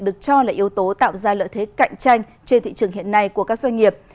được cho là yếu tố tạo ra lợi thế cạnh tranh trên thị trường hiện nay của các doanh nghiệp